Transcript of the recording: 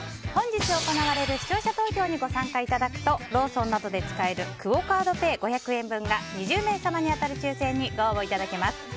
本日行われる視聴者投票にご参加いただくとローソンなどで使えるクオ・カードペイ５００円分が２０名様に当たる抽選にご応募いただけます。